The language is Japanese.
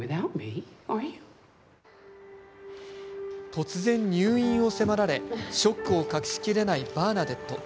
突然、入院を迫られショックを隠しきれないバーナデット。